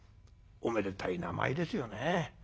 おめでたい名前ですよね。